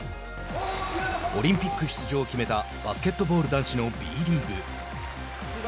オリンピック出場を決めたバスケットボール男子のＢリーグ。